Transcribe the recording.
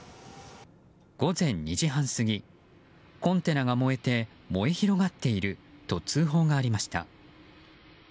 午前２時半過ぎコンテナが燃えて燃え広がっていると通報がありました。